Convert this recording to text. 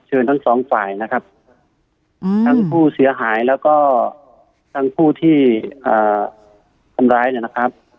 ทั้งสองฝ่ายนะครับทั้งผู้เสียหายแล้วก็ทั้งผู้ที่ทำร้ายเนี่ยนะครับ